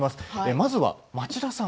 まずは町田さん